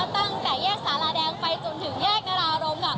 ตั้งแต่แยกสาราแดงไปจนถึงแยกนารารมค่ะ